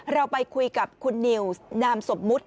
เราไปคุยกับคุณนิวสนามสมมุติ